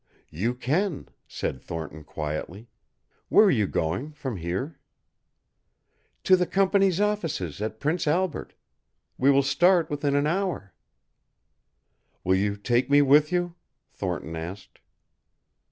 "You can," said Thornton quietly. "Where are you going from here?" "To the company's offices at Prince Albert. We will start within an hour." "Will you take me with you?" Thornton asked.